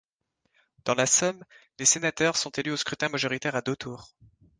Dans la Somme, les sénateurs sont élus au scrutin majoritaire à deux tours.